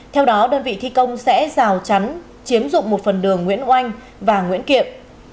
theo đó đơn vị thi công sẽ rào chắn chiếm dụng một phần đường nguyễn oanh và nguyễn kiệm